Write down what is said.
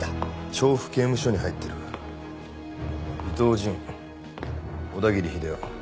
調布刑務所に入ってる伊藤仁小田切秀夫